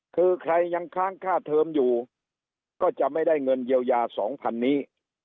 คือใครยังค้างค่าเทิมอยู่ก็จะไม่ได้เงินเยียวยา๒๐๐นี้